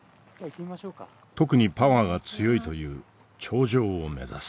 特にパワーが強いという頂上を目指す。